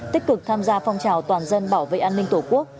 tích cực tham gia phong trào toàn dân bảo vệ an ninh tổ quốc